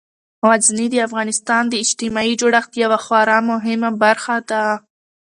غزني د افغانستان د اجتماعي جوړښت یوه خورا مهمه برخه ده.